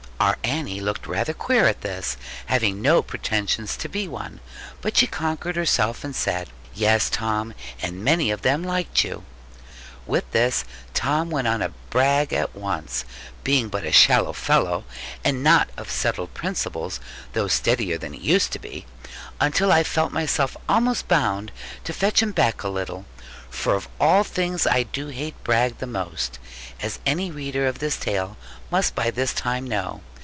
Our Annie looked rather queer at this, having no pretensions to be one: but she conquered herself, and said, 'Yes, Tom; and many of them liked you.' With this, Tom went on the brag at once, being but a shallow fellow, and not of settled principles, though steadier than he used to be; until I felt myself almost bound to fetch him back a little; for of all things I do hate brag the most, as any reader of this tale must by this time know.